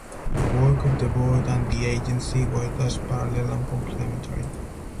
The work of the Board and the Agency was thus parallel and complementary.